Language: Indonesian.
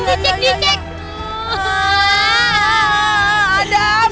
iya cepet di cek di cek